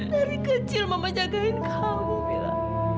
dari kecil mama jagain kamu mila